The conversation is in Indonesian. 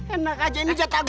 enak aja ini jatah gua nih